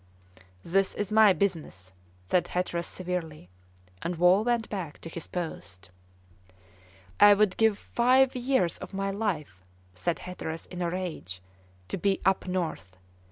"That is my business," said Hatteras severely, and Wall went back to his post. "I would give five years of my life," said Hatteras, in a rage, "to be up north.